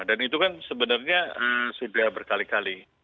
dan itu kan sebenarnya sudah berkali kali